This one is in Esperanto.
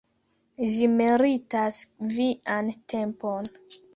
Ĝi meritas vian tempon.